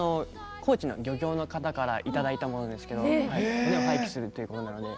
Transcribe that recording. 高知の漁業の方からいただいたもので廃棄するということで。